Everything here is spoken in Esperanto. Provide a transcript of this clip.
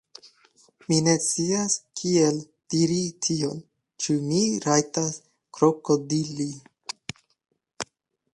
Mi ne scias, kiel diri tion. Ĉu mi rajtas krokodili?